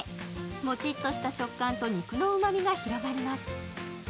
もちっとした食感と肉のうまみが広がります。